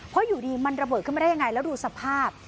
เพราะอยู่ดีมันระเบิดขึ้นมาได้ยังไงแล้วดูสภาพ